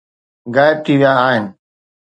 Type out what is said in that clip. غائب ٿي ويا آهن